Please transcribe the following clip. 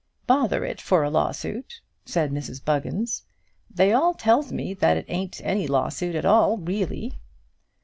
"Bother it for a lawsuit," said Mrs Buggins. "They all tells me that it ain't any lawsuit at all, really."